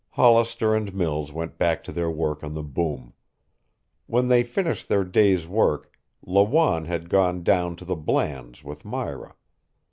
Hollister and Mills went back to their work on the boom. When they finished their day's work, Lawanne had gone down to the Blands' with Myra.